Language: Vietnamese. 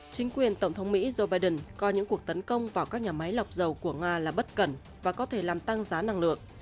chính quyền tổng thống mỹ joe biden coi những cuộc tấn công vào các nhà máy lọc dầu của nga là bất cần và có thể làm tăng giá năng lượng